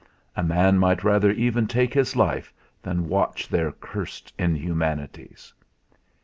A man might rather even take his life than watch their cursed inhumanities.